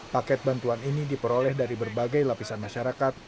paket bantuan ini diperoleh dari berbagai lapisan masyarakat